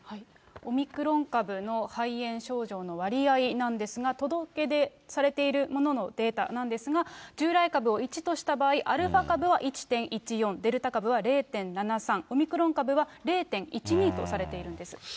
オミクロン株の肺炎症状の割合なんですが、届け出されているもののデータなんですが、従来株を１とした場合、アルファ株は１．１４、デルタ株は０．７３、オミクロン株は０．１２とされているんです。